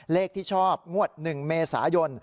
เลขที่ชอบงวด๑เมษายน